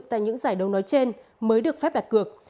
tại những giải đấu nói trên mới được phép đặt cược